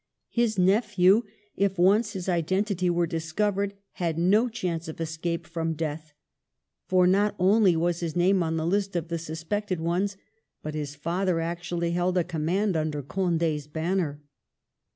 His nephew, if once his identity were discovered, had no chance of escape from death ; for not only was his name on the list of the suspected ones, but his father actually held a command under Condi's banner.